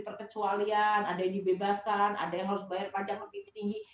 terkecualian ada yang dibebaskan ada yang harus bayar pajak lebih tinggi